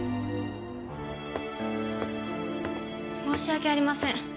申し訳ありません。